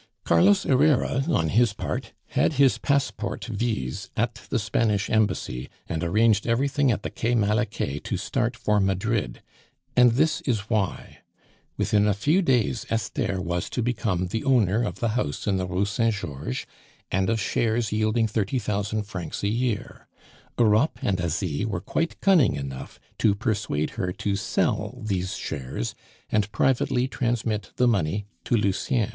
Carlos Herrera, on his part, had his passport vise at the Spanish Embassy, and arranged everything at the Quai Malaquais to start for Madrid. And this is why. Within a few days Esther was to become the owner of the house in the Rue Saint Georges and of shares yielding thirty thousand francs a year; Europe and Asie were quite cunning enough to persuade her to sell these shares and privately transmit the money to Lucien.